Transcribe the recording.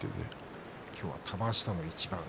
今日は玉鷲との一番。